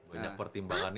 banyak pertimbangan itu